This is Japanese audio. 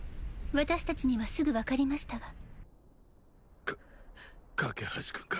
私達にはすぐ分かりましたがか